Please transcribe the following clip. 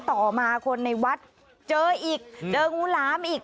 ต่อมาคนในวัดเจออีกเจองูหลามอีก